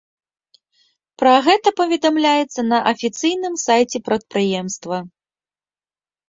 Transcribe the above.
Пра гэта паведамляецца на афіцыйным сайце прадпрыемства.